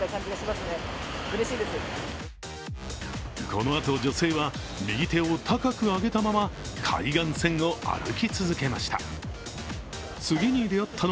このあと、女性は右手を高く上げたまま海岸線を歩き続けました。